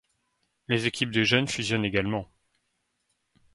Les équipes de jeunes fusionnent également.